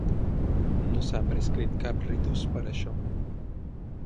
No s'ha prescrit cap ritus per a això.